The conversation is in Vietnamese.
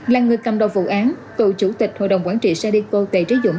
là người cầm đồng vụ án tù chủ tịch hội đồng quản trị sadeco tây trí dũng